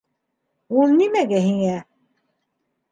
Ул нимәгә һиңә?